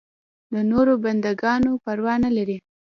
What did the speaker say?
د نورو بنده ګانو پروا نه لري.